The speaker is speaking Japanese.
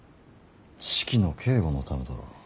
式の警固のためだろう。